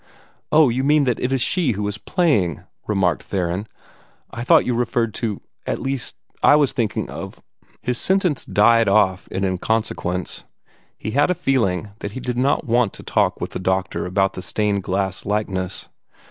"Oh, you mean that it is she who is playing," remarked Theron. "I thought you referred to at least I was thinking of " His sentence died off in inconsequence. He had a feeling that he did not want to talk with the doctor about the stained glass likeness.